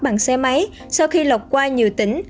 bằng xe máy sau khi lọc qua nhiều tỉnh